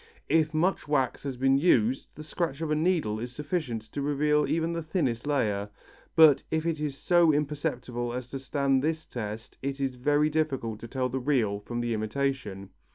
If much wax has been used the scratch of a needle is sufficient to reveal even the thinnest layer, but if it is so imperceptible as to stand this test it is very difficult to tell the real from the imitation.